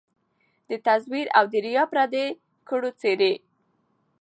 د تزویر او د ریا پردې کړو څیري